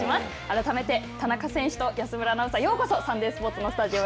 改めて、田中選手と安村直樹さん、ようこそ、サンデースポーツのス